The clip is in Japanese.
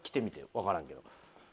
わからんけど。